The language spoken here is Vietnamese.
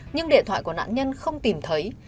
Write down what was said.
nhưng điện thoại của nạn nhân không tìm thấy